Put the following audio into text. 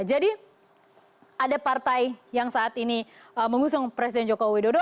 jadi ada partai yang saat ini mengusung presiden joko widodo